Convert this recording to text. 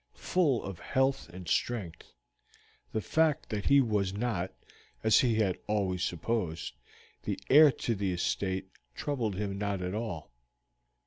Full of health and strength, the fact that he was not, as he had always supposed, the heir to the estate troubled him not at all.